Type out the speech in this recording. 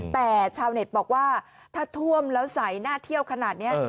แต่ชาวเน็ตบอกว่าถ้าท่วมแล้วใสน่าเที่ยวขนาดนี้